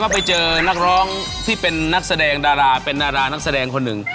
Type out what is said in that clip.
ไปเจอนักร้องที่เป็นนักแสดงดาราเป็นดารานักแสดงคนหนึ่ง